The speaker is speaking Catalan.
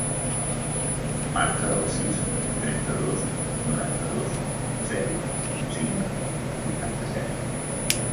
Marca el sis, trenta-dos, noranta-dos, zero, cinc, vuitanta-set.